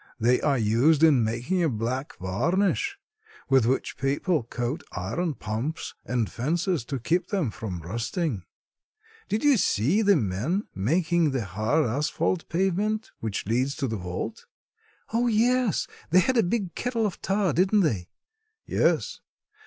They are used in making a black varnish with which people coat iron pumps and fences to keep them from rusting. Did you see the men making the hard asphalt pavement which leads to the vault?" "Oh, yes. They had a big kettle of tar, didn't they?" "Yes.